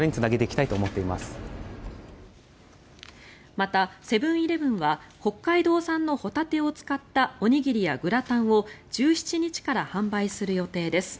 また、セブン−イレブンは北海道産のホタテを使ったおにぎりやグラタンを１７日から販売する予定です。